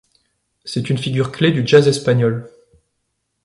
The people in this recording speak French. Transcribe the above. C'est une figure clé du jazz espagnol.